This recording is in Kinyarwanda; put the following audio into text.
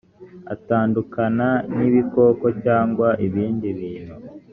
atandukana n ibikoko cyangwa ibindi bintu